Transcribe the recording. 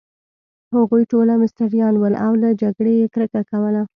هغوی ټوله مستریان ول، او له جګړې يې کرکه کول.